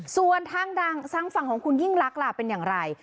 ส่วนทางดังซังฝั่งของคุณยิ่งลักษณ์ล่ะเป็นอย่างไร